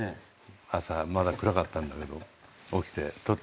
朝まだ暗かったんだけど起きて取ってきた。